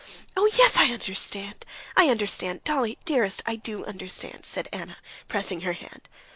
"Oh, yes, I understand! I understand! Dolly, dearest, I do understand," said Anna, pressing her hand.